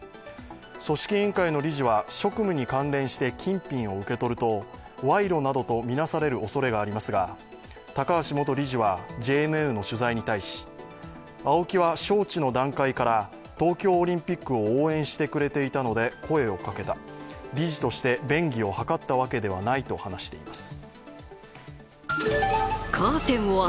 組織委員会の理事は職務に関連して金品を受け取ると賄賂などと見なされるおそれがありますが高橋元理事はＪＮＮの取材に対しＡＯＫＩは招致の段階から東京オリンピックを応援してくれていたので声をかけた理事として便宜を図ったわけではないと話しています。